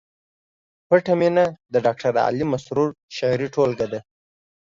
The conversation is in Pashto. پټه مینه د ډاکټر علي مسرور شعري ټولګه ده